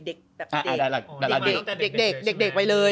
เด็กไปเลย